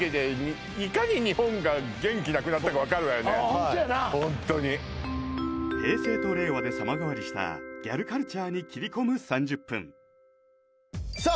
ホントやなホントに平成と令和で様変わりしたギャルカルチャーに切り込む３０分さあ